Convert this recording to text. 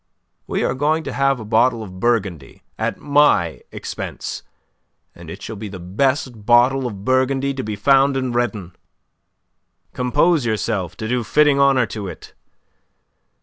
We are going to have a bottle of Burgundy at my expense, and it shall be the best bottle of Burgundy to be found in Redon. Compose yourself to do fitting honour to it.